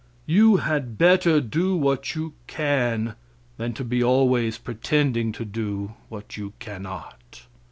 You had better do what you can than to be always pretending to do what you cannot.